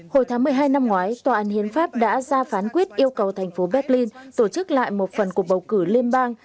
hồi tháng một mươi hai năm ngoái tòa án hiến pháp đã ra phán quyết yêu cầu thành phố berlin tổ chức lại một phần cuộc bầu cử liên bang